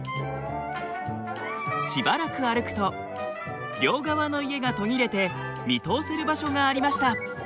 しばらく歩くと両側の家が途切れて見通せる場所がありました。